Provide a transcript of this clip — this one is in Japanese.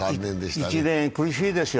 １年苦しいですよ。